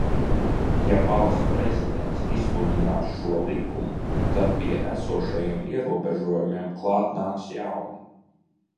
Ja Valsts prezidents izsludinās šo likumu, tad pie esošajiem ierobežojumiem klāt nāks jauni.